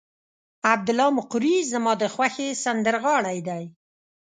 عبدالله مقری زما د خوښې سندرغاړی دی.